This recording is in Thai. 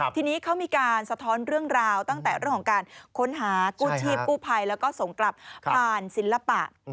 ทีนี้เขามีการสะท้อนเรื่องราวตั้งแต่เรื่องของการค้นหากู้ชีพกู้ภัยแล้วก็ส่งกลับผ่านศิลปะ